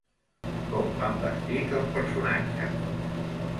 Com van vestits els personatges?